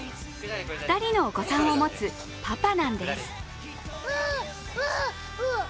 ２人のお子さんを持つパパなんです。